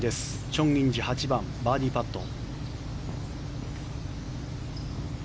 チョン・インジ、８番バーディーパット。